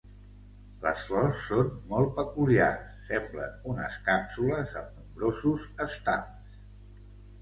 Les flors són molt peculiars, semblen unes càpsules amb nombrosos estams.